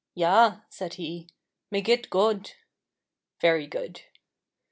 "Ya," said he, "megit god," (very good).